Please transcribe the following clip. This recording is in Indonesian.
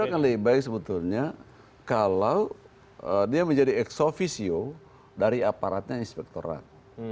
akan lebih baik sebetulnya kalau dia menjadi ex officio dari aparatnya inspektorat